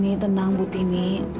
butini tenang butini